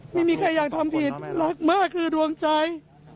ไม่มีใครอยากทำผิดรักมากคือดวงใจ